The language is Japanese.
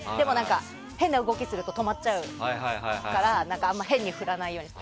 変な動きをすると止まっちゃうから変に振らないようにして。